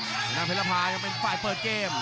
หน้าเย็นละพายังเปิดเกม